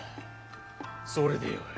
それでよい。